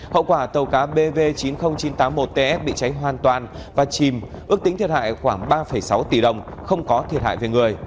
hậu quả tàu cá bv chín mươi nghìn chín trăm tám mươi một ts bị cháy hoàn toàn và chìm ước tính thiệt hại khoảng ba sáu tỷ đồng không có thiệt hại về người